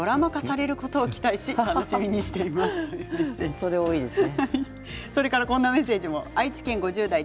恐れ多いですね。